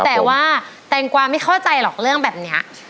แต่ว่าแตงกวาไม่เข้าใจหรอกเรื่องแบบนี้